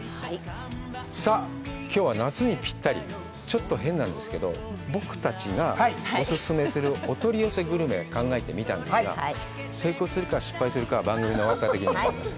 さぁ今日は夏にぴったりちょっと変なんですけど僕たちがオススメするお取り寄せグルメ考えてみたんですが成功するか失敗するかは番組が終わった時に分かります